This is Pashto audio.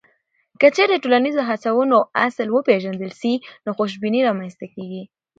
که چیرته د ټولنیزو هڅونو اصل وپېژندل سي، نو خوشبیني رامنځته کیږي.